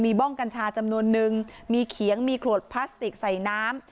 บ้องกัญชาจำนวนนึงมีเขียงมีขวดพลาสติกใส่น้ำ